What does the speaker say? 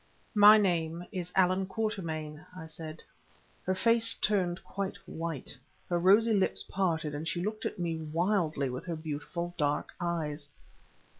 "My name is Allan Quatermain," I said. Her face turned quite white, her rosy lips parted, and she looked at me wildly with her beautiful dark eyes.